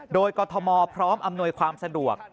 โดยกรทมพร้อมอำนวยความสะดวก